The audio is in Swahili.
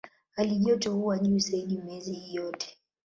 Halijoto huwa juu zaidi miezi hii yote.